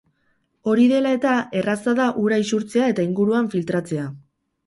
Hori dela eta, erraza da ura isurtzea eta inguruan filtratzea.